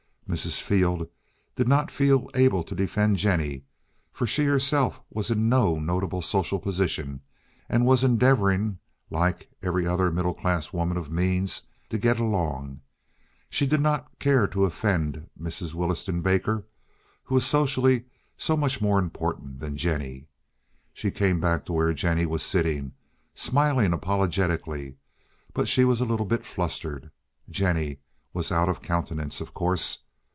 Mrs. Field did not feel able to defend Jennie, for she herself was in no notable social position, and was endeavoring, like every other middle class woman of means, to get along. She did not care to offend Mrs. Williston Baker, who was socially so much more important than Jennie. She came back to where Jennie was sitting, smiling apologetically, but she was a little bit flustered. Jennie was out of countenance, of course.